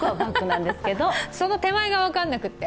その手前が分からなくて。